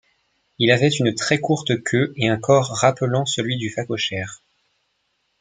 Il avait une très courte queue et un corps rappelant celui du phacochère.